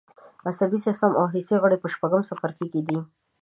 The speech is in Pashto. عصبي سیستم او حسي غړي په شپږم څپرکي کې دي.